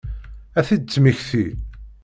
Ad t-id-temmekti?